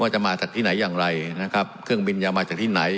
จะมาจากที่ไหนอย่างไรนะครับเครื่องบินจะมาจากที่ไหน